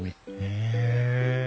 へえ。